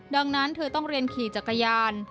ดังนั้นเธอต้องเรียนขี่จักรยาน